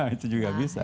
itu juga bisa kan